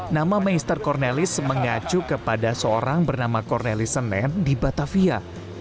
nama maister cornelis mengacu kepada seorang bernama cornelis senen di batavia